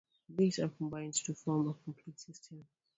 These are combined to form a complete system.